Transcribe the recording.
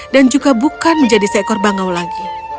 dan juga bukan menjadi seekor bangau lagi